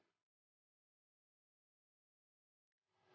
ibu elsa bangun